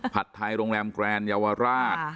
ผัดไทยโรงแรมแกรนเยาวราช